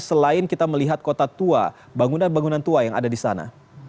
selain kita melihat kota tua bangunan bangunan tua yang ada di sana